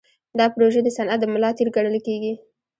دا پروژې د صنعت د ملا تیر ګڼل کېدې.